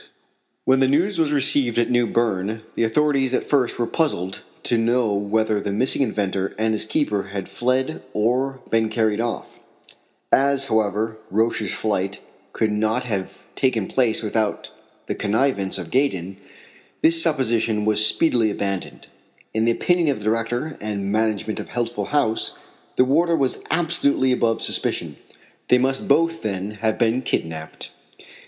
When the news was received at New Berne, the authorities at first were puzzled to know whether the missing inventor and his keeper had fled or been carried off. As, however, Roch's flight could not have taken place without the connivance of Gaydon, this supposition was speedily abandoned. In the opinion of the director and management of Healthful House the warder was absolutely above suspicion. They must both, then, have been kidnapped.